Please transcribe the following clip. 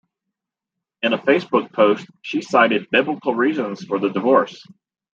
In a Facebook post, she cited "Biblical reasons" for the divorce.